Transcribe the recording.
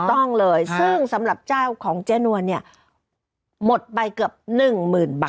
ต้องเลยซึ่งสำหรับเจ้าของเจ๊นวลเนี่ยหมดไปเกือบ๑๐๐๐บาท